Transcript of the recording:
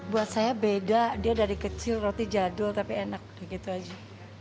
buat saya beda dia dari kecil roti jadul tapi enak gitu aja